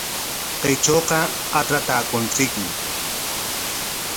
Kaytrawqa atratraakunchikmi .